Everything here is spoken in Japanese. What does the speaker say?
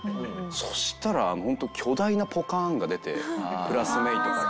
そうしたらホント巨大なポカーンが出てクラスメートから。